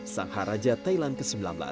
sangha raja thailand ke sembilan belas